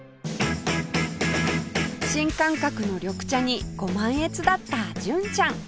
新感覚の緑茶にご満悦だった純ちゃん